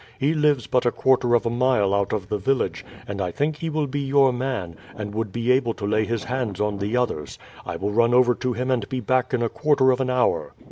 He lives but a quarter of a mile out of the village, and I think he will be your man, and would be able to lay his hands on the others. I will run over to him and be back in a quarter of an hour."